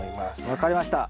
分かりました。